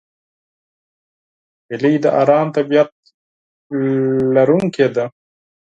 هیلۍ د آرام طبیعت لرونکې ده